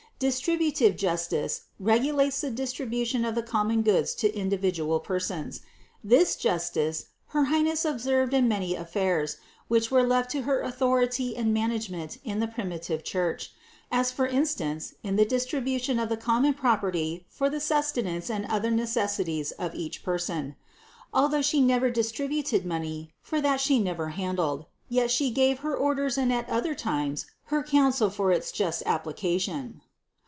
Distribu tive justice regulates the distribution of the common goods to individual persons. This justice her Highness observed in many affairs, which were left to her authority and management in the primitive Chuch : as for instance in the distribution of the common property for the sus tenance and other necessities of each person. Although She never distributed money, (for that She never hand led), yet She gave her orders and at other times her counsel for its just application.